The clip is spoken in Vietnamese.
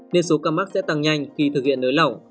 nên số ca mắc sẽ tăng nhanh khi thực hiện nới lỏng